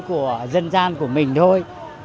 của dân gian của mình thôi